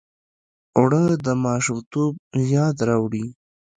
اوړه د ماشومتوب یاد راوړي